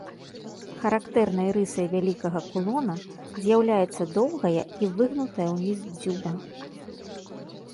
Характэрнай рысай вялікага кулона з'яўляецца доўгая і выгнутая ўніз дзюба.